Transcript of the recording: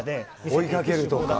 追いかけるとか。